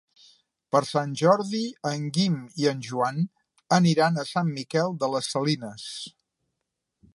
Per Sant Jordi en Guim i en Joan aniran a Sant Miquel de les Salines.